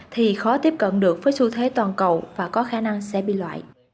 thì khó tiếp cận được với xu thế toàn cầu và có khả năng sẽ bị loại